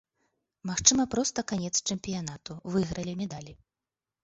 Магчыма, проста канец чэмпіянату, выйгралі медалі.